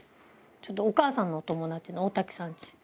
ちょっとお母さんのお友達の大瀧さんち。